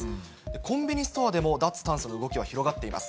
コンビニストアでも、脱炭素の動きが広がっています。